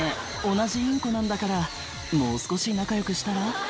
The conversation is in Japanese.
同じインコなんだからもう少し仲よくしたら？